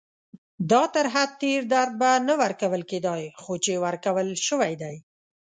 دا تر حد تېر درد به نه ورکول کېدای، خو چې ورکول شوی دی.